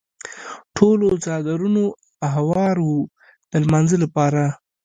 ټولو څادرونه هوار وو د لمانځه لپاره.